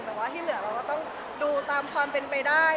แต่ว่าที่เหลือเราก็ต้องดูตามความเป็นไปได้